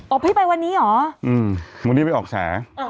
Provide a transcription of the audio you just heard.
ออกไว้ไปวันนี้เหรออืมวันนี้จะไปออกแฉอ็อ